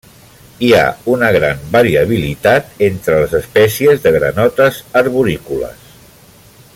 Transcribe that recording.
Hi ha una gran variabilitat entre les espècies de granotes arborícoles.